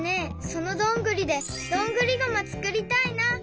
そのどんぐりでどんぐりゴマつくりたいな！